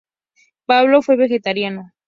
Pablo fue vegetariano.